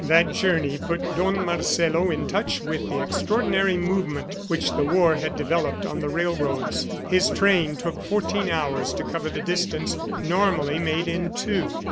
That journey put Don Marcelo in touch with the extraordinary movement which the war had developed on the railroads. His train took fourteen hours to cover the distance normally made in two.